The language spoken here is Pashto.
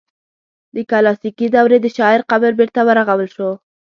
د کلاسیکي دورې د شاعر قبر بیرته ورغول شو.